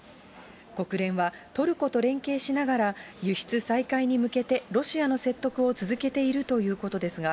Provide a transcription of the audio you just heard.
国連はトルコと連携しながら、輸出再開に向けて、ロシアの説得を続けているということですが、